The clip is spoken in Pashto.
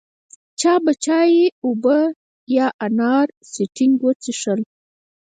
چا به چای، اوبه یا اناري سټینګ وڅښل.